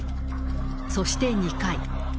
そして２回。